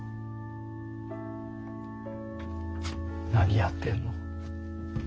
何やってんの。